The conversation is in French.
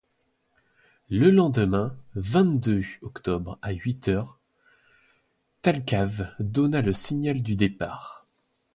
Le lendemain vingt-deux octobre, à huit heures, Thalcave donna le signal du départ.